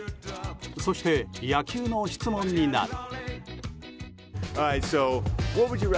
そして、野球の質問になり。